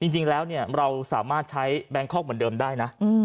จริงแล้วเราสามารถใช้แบงคอกเหมือนเดิมได้นะ